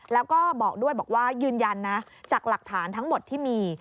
แล้วก็บอกด้วยบอกว่ายืนยันนะจากหลักฐานทั้งหมดที่มี